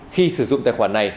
khi sử dụng tài khoản này